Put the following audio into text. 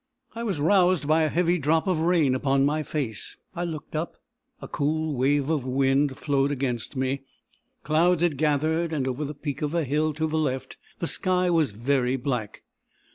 I was roused by a heavy drop of rain upon my face. I looked up. A cool wave of wind flowed against me. Clouds had gathered; and over the peak of a hill to the left, the sky was very black.